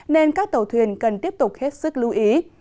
nên các tàu thuyền cần tiếp tục hết sức lưu ý